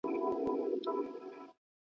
قاتل هم ورسره ژاړي لاس په وینو تر څنګلي.